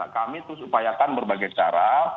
kami itu supaya berbagai cara